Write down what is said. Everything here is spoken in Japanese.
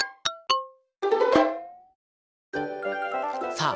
さあ